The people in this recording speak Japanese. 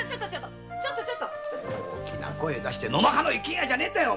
大きな声だして野中の一軒家じゃねえんだよ！